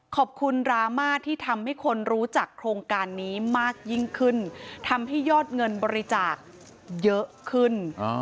ดราม่าที่ทำให้คนรู้จักโครงการนี้มากยิ่งขึ้นทำให้ยอดเงินบริจาคเยอะขึ้น